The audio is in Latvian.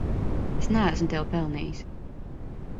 Es neesmu tevi pelnījis.